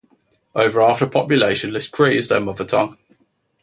Over half the population list Cree as their mother tongue.